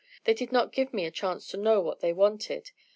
They did not give me a chance to know what they wanted.